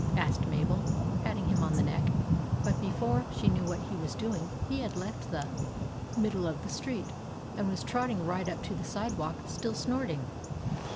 " asked Mabel, patting him on the neck. But before she knew what he was doing, he had left the REX PLAYS POLICEMAN 69 middle of the street and was trotting right up to the sidewalk, still snorting.